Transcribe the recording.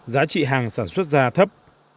giá trị hàng sản xuất gia thấp